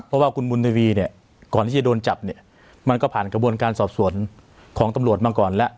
เพราะว่าคุณบุญทวีเนี่ยก่อนที่จะโดนจับเนี่ยมันก็ผ่านกระบวนการสอบสวนของตำรวจมาก่อนแล้ว